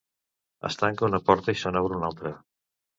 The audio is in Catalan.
Es tanca una porta i se n'obre una altra.